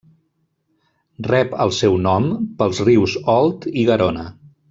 Rep el seu nom pels rius Òlt i Garona.